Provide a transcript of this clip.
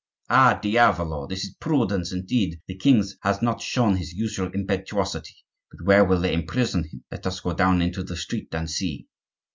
"Ah, diavolo! this is prudence indeed. The king has not shown his usual impetuosity. But where will they imprison them? Let us go down into the street and see."